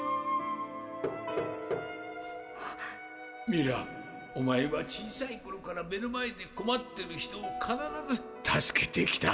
・ミラお前は小さいころから目の前でこまってる人をかならず助けてきた。